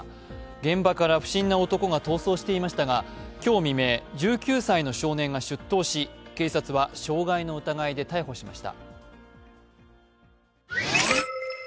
現場から不審な男が逃走していましたが、今日未明、１９歳の少年が出頭し警察は傷害の疑いで逮捕しました。